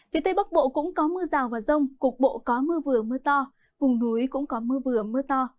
phía tây bắc bộ cũng có mưa rào và rông cục bộ có mưa vừa mưa to vùng núi cũng có mưa vừa mưa to